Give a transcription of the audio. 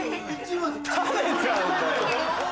食べちゃうんだ。